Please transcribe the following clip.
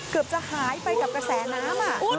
เกือบจะหายไปกับแคสเน้ม